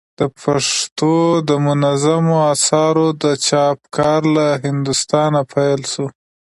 د پښتو دمنظومو آثارو د چاپ کار له هندوستانه پيل سو.